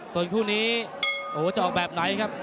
ส่วนคู่นี้โอ้โหจะออกแบบไหนครับ